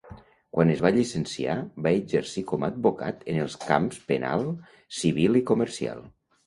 Quan es va llicenciar, va exercir com a advocat en els camps penal, civil i comercial.